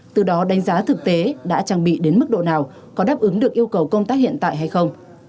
từ đó đánh giá thực tế đã trang bị đến mức độ nào có đáp ứng được yêu cầu công tác hiện tại hay không